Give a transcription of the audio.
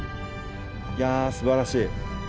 いやすばらしい。